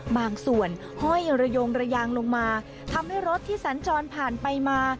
บางส่วนห้อยระยงระยางลงมาทำให้รถที่สัญจรผ่านไปมา